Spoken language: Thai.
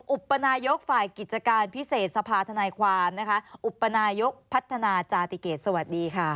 อุปนายกฝ่ายกิจการพิเศษสภาธนายความนะคะอุปนายกพัฒนาจาติเกตสวัสดีค่ะ